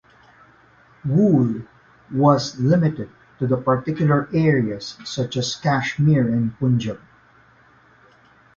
Wool was limited to the particular areas such as Kashmir and Punjab.